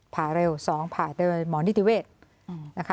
ผ่าเร็ว๒ผ่าเจอหมอนิติเวทย์